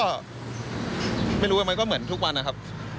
มันก็ไม่รู้ไหมก็เหมือนทุกวันนะครับ